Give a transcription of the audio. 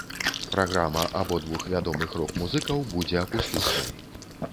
Праграма абодвух вядомых рок-музыкаў будзе акустычнай.